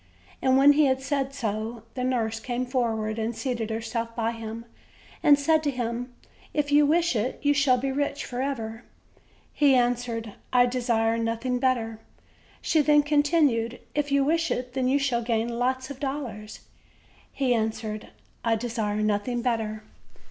And when he had said so, the nurse came forward and 180 OLD, OLD FAIR7 TALES. seated herself by him, and said to him: "If you wish it, you shall be rich forever." He answered: "I desire nothing better." She then continued: "If you wish it, then, you shall gain lots of dollars." He answered: "I desire nothing better."